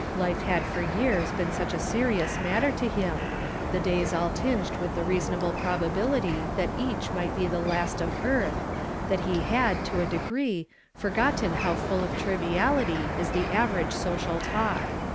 Life had for years heen such a serious matter to him; the days all tinged with the r( ;i sonable probability that each might be the last of earth, that he had, to a degree, forgotten h,.v, full of triviality is the average social talk.